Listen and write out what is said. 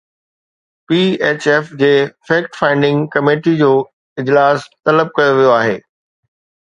P H F G fact finding committee جو اجلاس طلب ڪيو ويو آهي